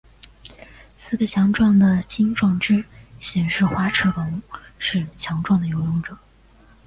四个强壮的鳍状肢显示滑齿龙是强壮的游泳者。